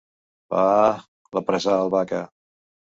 Vaaa! —l'apressà el Vaca.